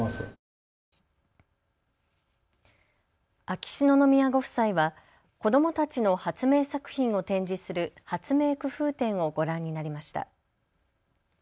秋篠宮ご夫妻は子どもたちの発明作品を展示する発明くふう展をご覧になりました。